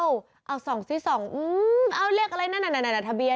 เอา๒๔๒เอาเรียกอะไรนั่นทะเบียน